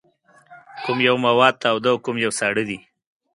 کوم یو مواد تاوده او کوم یو ساړه دي؟